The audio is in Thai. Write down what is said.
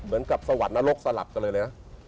เหมือนกับสวรรค์นรกสลับกันเลยนะ